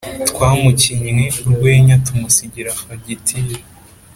twamukinnye urwenya tumusigira fagitire.